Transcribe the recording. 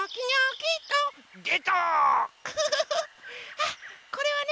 あこれはね